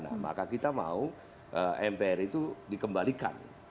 nah maka kita mau mpr itu dikembalikan